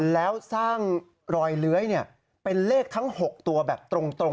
แล้วสร้างรอยเลื้อยเป็นเลขทั้ง๖ตัวแบบตรง